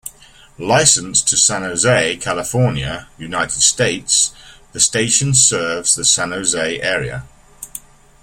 Licensed to San Jose, California, United States, the station serves the San Jose area.